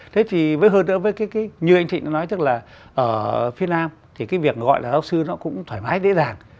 thế thì với hơn nữa như anh thịnh nói ở phía nam thì việc gọi là giáo sư cũng thoải mái dễ dàng